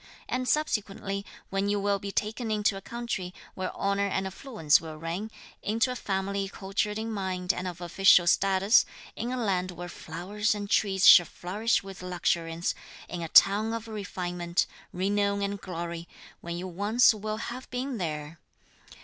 And subsequently, when you will be taken into a country where honour and affluence will reign, into a family cultured in mind and of official status, in a land where flowers and trees shall flourish with luxuriance, in a town of refinement, renown and glory; when you once will have been there..."